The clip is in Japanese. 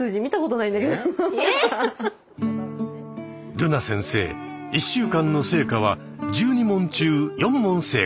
るな先生１週間の成果は１２問中４問正解。